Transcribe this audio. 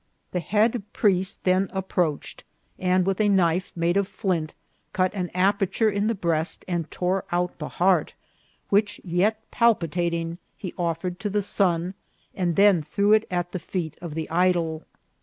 The head priest then approached, and with a knife made of flint cut an aper ture in the breast, and tore out the heart, which, yet pal pitating, he offered to the sun, and then threw it at the feet of the idol.